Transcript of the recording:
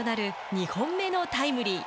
２本目のタイムリー。